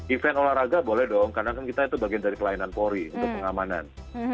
event olahraga boleh dong karena kita itu bagian dari kelainan pori untuk pengamanan